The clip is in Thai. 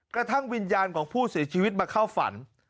กระทั่งวิญญาณของผู้เสียชีวิตมาเข้าฝัน